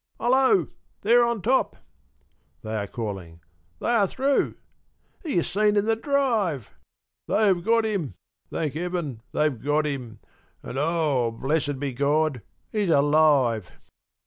"Hello! there on top!" they are calling. "They are through! He is seen in the drive!" "They have got him thank Heaven! they've got him, and oh, blessed be God, he's alive!"